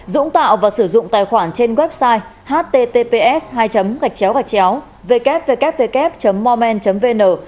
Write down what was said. dũng tạo và sử dụng tài khoản trên website https hai xxxx www moreman vn